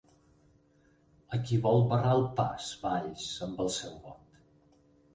A qui vol barrar el pas Valls amb el seu vot?